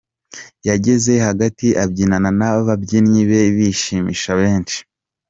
Yageze hagati abyinana n’ababyinnyi be bishimisha benshi.